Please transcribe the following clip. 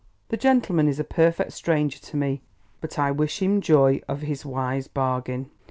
The gentleman is a perfect stranger to me, but I wish him joy of his wise bargain."